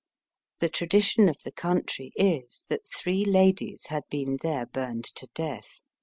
The tradition of the country is, that Three ladies had been there burned to death.